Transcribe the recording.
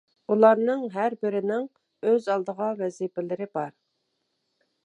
ئۇلارنىڭ ھەربىرىنىڭ ئۆز ئالدىغا ۋەزىپىلىرى بار.